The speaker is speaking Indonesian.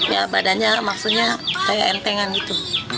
ya badannya maksudnya kayak entengan gitu